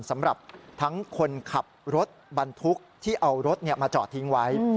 สำหรับทั้งคนขับรถบรรทุกที่เอารถมาจอดทิ้งไว้